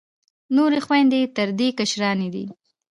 نورې خویندې یې تر دې کشرانې دي.